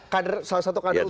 kader salah satu kader utama anda